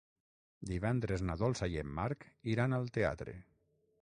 Divendres na Dolça i en Marc iran al teatre.